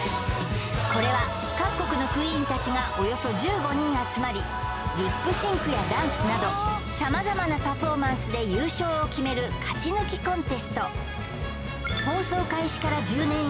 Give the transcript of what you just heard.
これは各国のクイーンたちがおよそ１５人集まりリップシンクやダンスなどさまざまなパフォーマンスで優勝を決める勝ち抜きコンテスト